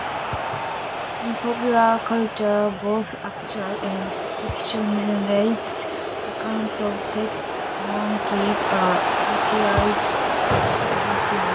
In popular culture both actual and fictionalized accounts of pet monkeys are utilized extensively.